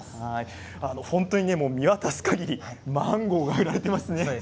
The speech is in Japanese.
本当に見渡すかぎりマンゴーが売られていますね。